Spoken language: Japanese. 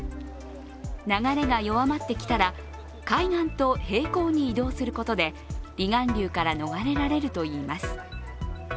流れが弱まってきたら海岸と平行に移動することで離岸流から逃れられるといいます。